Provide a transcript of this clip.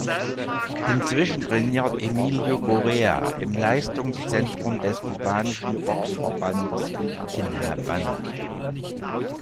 Inzwischen trainiert Emilio Correa im Leistungszentrum des kubanischen Boxverbandes in Havanna.